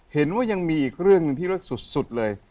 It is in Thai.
เห็นว่ายังมีอีกเรื่องหนึ่งที่เลิศสุดเลย